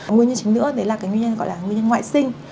nguyên nhân chính nữa đấy là cái nguyên nhân gọi là nguyên nhân ngoại sinh